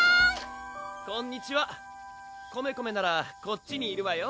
こんにちはコメコメならこっちにいるわよ